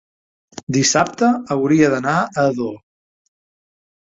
Dissabte hauria d'anar a Ador.